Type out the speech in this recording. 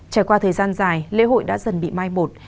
trải qua thời gian dài lễ hội đã dần bị mai một